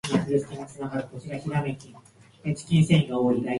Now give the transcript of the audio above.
突然の雨でびしょぬれになりました。